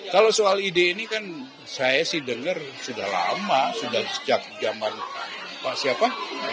kalau soal ide ini kan saya sih dengar sudah lama sudah sejak zaman pak siapa